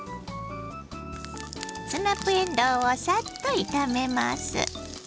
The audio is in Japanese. スナップえんどうをサッと炒めます。